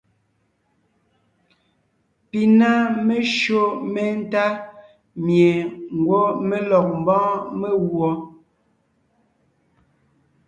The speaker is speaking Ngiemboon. Pi ná meshÿó méntá mie ngwɔ́ mé lɔg ḿbɔ́ɔn meguɔ.